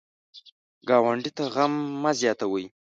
ګاونډي ته غم مه زیاتوئ